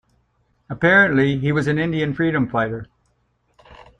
Apparently, he was an Indian freedom fighter.